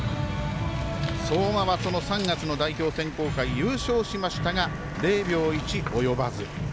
相馬は、その３月の代表選考会優勝しましたが、０秒１及ばず。